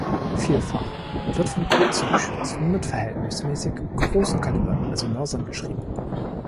Vielfach wird von kurzen Geschützen mit verhältnismäßig großen Kalibern, also Mörsern, geschrieben.